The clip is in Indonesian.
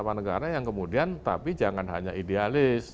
jadi itu yang kemudian tapi jangan hanya idealis